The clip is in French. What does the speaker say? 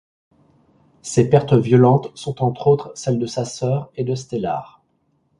Ces pertes violentes sont entre autres celles de sa sœur et de Stellar.